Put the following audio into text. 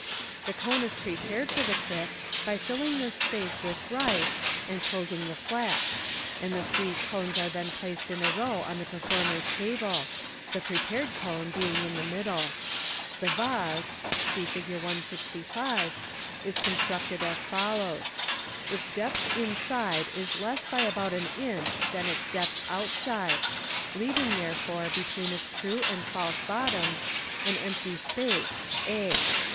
The cone is prepared for the trick by filling this space with rice, and closing the flap $ and the three cones are then placed in a row on the performer's table, the prepared one being in the middle. The vase (see Fig. 165) is constructed as follows :— Its depth inside is less by about an inch than its depth outside, leaving, therefore, between its true and false bottoms, an empty space, a.